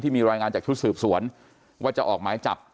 มีรายงานจากชุดสืบสวนว่าจะออกหมายจับ